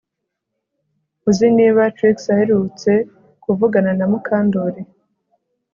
Uzi niba Trix aherutse kuvugana na Mukandoli